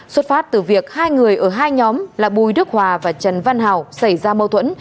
xuất phát từ việc hai người ở hai nhóm là bùi đức hòa và trần văn hào xảy ra mâu thuẫn